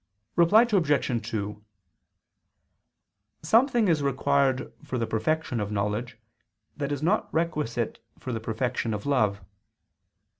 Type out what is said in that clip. Reply Obj. 2: Something is required for the perfection of knowledge, that is not requisite for the perfection of love.